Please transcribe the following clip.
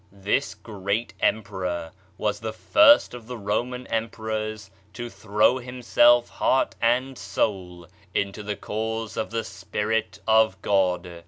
This great Emperor was the first of the Roman emperors to throw himself heart and soul into the cause of the Spirit of God.